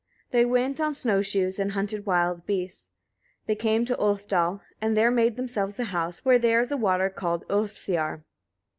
They went on snow shoes and hunted wild beasts. They came to Ulfdal, and there made themselves a house, where there is a water called Ulfsiar.